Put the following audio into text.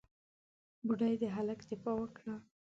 بوډۍ د هلک دفاع وکړه.